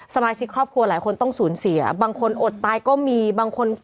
สมาชิกครอบครัวหลายคนต้องสูญเสียบางคนอดตายก็มีบางคน